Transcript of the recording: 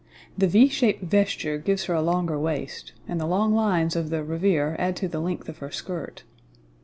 The V shaped vesture gives her a longer waist, and the long lines of the revers add to the length of her skirt.